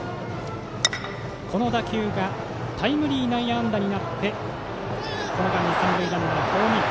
この打球がタイムリー内野安打になってこの間に三塁ランナーホームイン。